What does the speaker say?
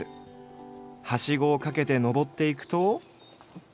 はしごをかけて登っていくと。